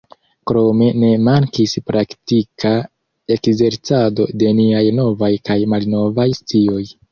Krome ne mankis praktika ekzercado de niaj novaj kaj malnovaj scioj.